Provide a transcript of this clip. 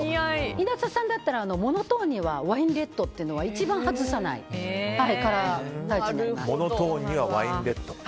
稲田さんだったらモノトーンにワインレッドっていうのは一番外さないカラータイツになります。